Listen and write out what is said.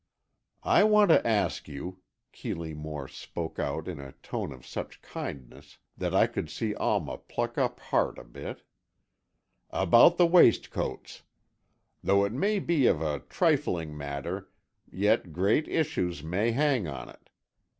"I want to ask you," Keeley Moore spoke in a tone of such kindness that I could see Alma pluck up heart a bit, "about the waistcoats. Though it may be a trifling matter, yet great issues may hang on it.